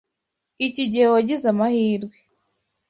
Iki gihe wagize amahirwe.